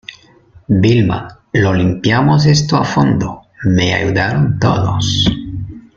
Vilma, lo limpiamos esto a fondo , me ayudaron todos.